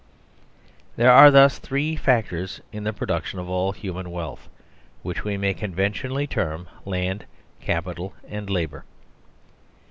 There are thus three factors in the production of all human wealth, which we may conventionally term Land, Capital, and Labour.